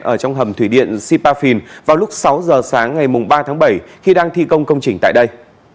ở trong hầm thủy điện sipafin vào lúc sáu giờ sáng ngày ba tháng bảy khi đang thi công công trình tại đây